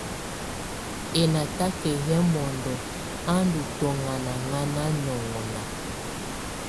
Ɛnataka yɛ́ bunɔŋɔ á ndɔ́ tɔŋanaŋana nɔŋɔna.